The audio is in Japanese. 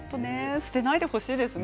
捨てないでほしいですね。